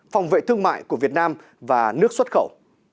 phòng vệ thương mại của việt nam và nước xuất khẩu